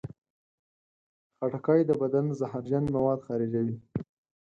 خټکی د بدن زهرجن مواد خارجوي.